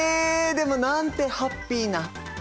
でもなんてハッピーな。